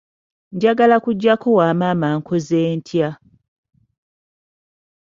Njagala kujjako wa maama nkoze ntya?